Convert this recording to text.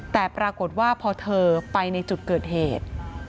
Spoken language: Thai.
แต่ปรากฏว่าพอเธอไปในจุดเกิดเหตุ